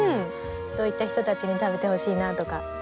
どういった人たちに食べてほしいなとかあります？